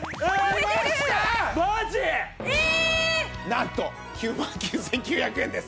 なんと９万９９００円です。